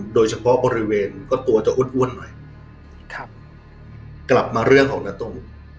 โดยเฉพาะบริเวณก็ตัวจะอ้วนอ้วนหน่อยครับกลับมาเรื่องของนาตุ